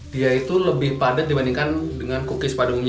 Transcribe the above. dia itu lebih padat dibandingkan dengan kukis padungnya